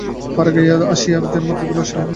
পাড়াগাঁয়ে আসিয়া যেন মাতৃক্রোড়ে আসিলাম মনে হইল।